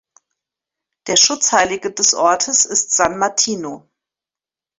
Der Schutzheilige des Ortes ist San Martino.